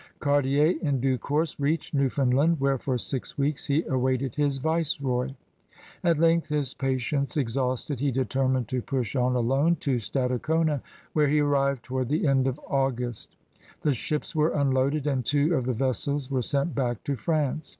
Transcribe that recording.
Cartier in due course reached Newfoundland, where for six weeks he awaited his viceroy. At length, his patience exhausted, he determined to push on alone to Stadacona, where he arrived toward the end of August. The ships were imloaded and two of the vessels were sent back to France.